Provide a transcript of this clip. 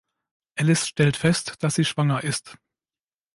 Alice stellt fest, dass sie schwanger ist.